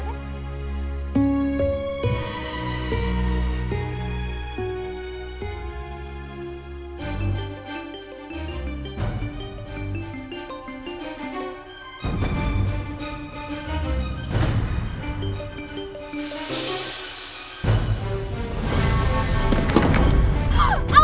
tante aku mau pergi